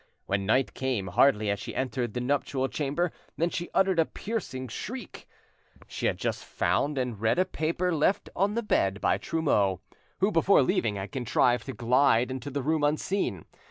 When night came, hardly had she entered the nuptial chamber than she uttered a piercing shriek. She had just found and read a paper left on the bed by Trumeau, who before leaving had contrived to glide into the room unseen.